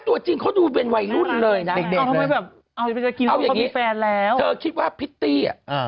เธอคิดว่าพิตตี้